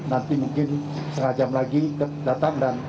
nanti mungkin setengah jam lagi datang